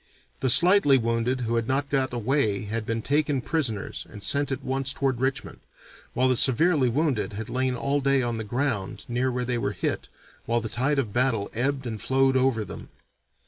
The slightly wounded who had not got away had been taken prisoners and sent at once toward Richmond while the severely wounded had lain all day on the ground near where they were hit while the tide of battle ebbed and flowed over them.